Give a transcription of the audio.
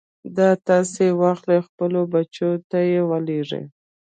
دا تاسې واخلئ خپلو بچو ته يې ولېږئ.